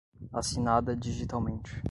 assinada digitalmente